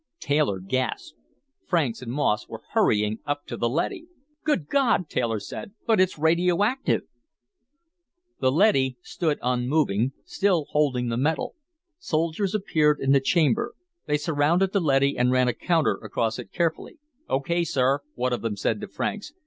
Taylor gasped Franks and Moss were hurrying up to the leady! "Good God!" Taylor said. "But it's radioactive!" The leady stood unmoving, still holding the metal. Soldiers appeared in the chamber. They surrounded the leady and ran a counter across it carefully. "Okay, sir," one of them said to Franks.